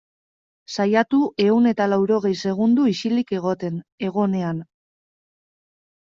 Saiatu ehun eta laurogei segundo isilik egoten, egonean.